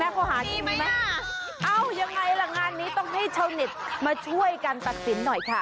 เอายังไงน่ะงานนี้ต้องให้เช่านิตมาช่วยการตัดสินหน่อยค่ะ